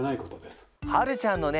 はるちゃんのね